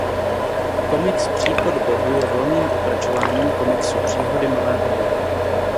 Komiks Příchod bohů je volným pokračováním komiksu Příhody Malého boha.